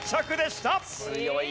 強い！